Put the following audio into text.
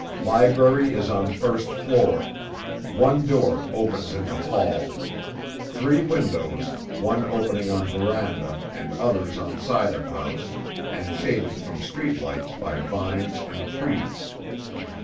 Library is on first floor; one door opens into hall; three windows, one opening on veranda and others on side of house and shaded from street lights by vines and trees.